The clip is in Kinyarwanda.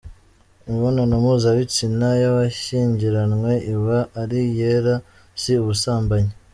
Imibonano mpuzabitsina y’abashyingiranwe iba ari iyera si ubusambanyi.